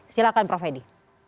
silahkan prof fedy